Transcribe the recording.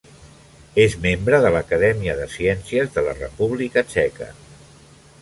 És membre de l'Acadèmia de Ciències de la República Txeca.